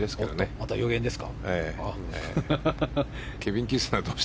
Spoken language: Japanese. また予言ですか。